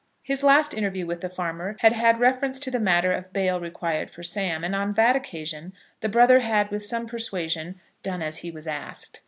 His last interview with the farmer had had reference to the matter of bail required for Sam, and on that occasion the brother had, with some persuasion, done as he was asked.